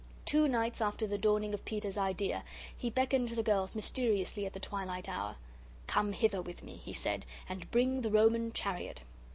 Two nights after the dawning of Peter's idea he beckoned the girls mysteriously at the twilight hour. "Come hither with me," he said, "and bring the Roman Chariot."